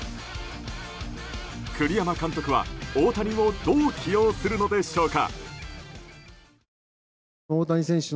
栗山監督は、大谷をどう起用するのでしょうか。